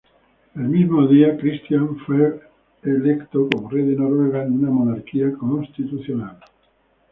El mismo día, Cristián fue electo como rey de Noruega, en una monarquía constitucional.